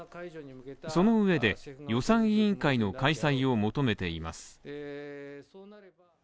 その上で予算委員会の開催を求めています